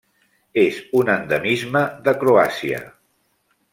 És un endemisme de Croàcia.